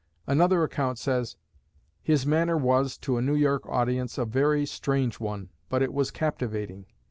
Another account says: "His manner was, to a New York audience, a very strange one, but it was captivating.